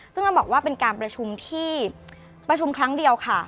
ซึ่งต้องบอกว่าเป็นการประชุมที่ประชุมครั้งเดียวค่ะ